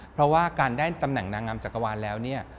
เพราะว่าการได้ตำแหน่งนางงามจักรวาลแล้วเนี่ย